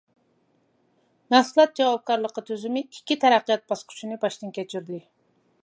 مەھسۇلات جاۋابكارلىقى تۈزۈمى ئىككى تەرەققىيات باسقۇچنى باشتىن كەچۈردى.